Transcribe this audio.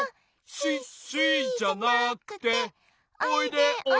「シッシじゃなくておいでおいでおいで！」